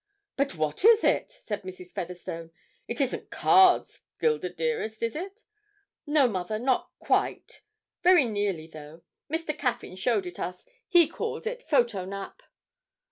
'But what is it?' said Mrs. Featherstone. 'It isn't cards, Gilda dearest, is it?' 'No, mother, not quite; very nearly though. Mr. Caffyn showed it us; he calls it "photo nap."'